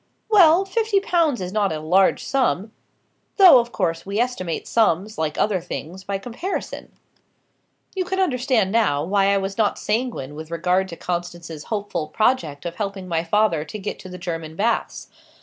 "Well, fifty pounds is not a large sum. Though, of course, we estimate sums, like other things, by comparison. You can understand now, why I was not sanguine with regard to Constance's hopeful project of helping my father to get to the German baths.